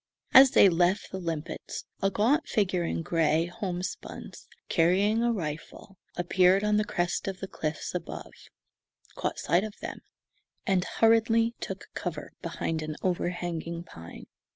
As they left the limpets, a gaunt figure in gray homespuns, carrying a rifle, appeared on the crest of the cliffs above, caught sight of them, and hurriedly took cover behind an overhanging pine.